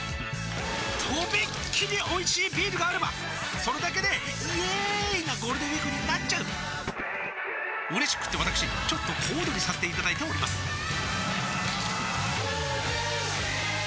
とびっきりおいしいビールがあればそれだけでイエーーーーーイなゴールデンウィークになっちゃううれしくってわたくしちょっと小躍りさせていただいておりますさあ